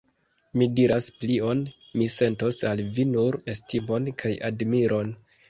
Mi diras plion: mi sentos al vi nur estimon kaj admiron.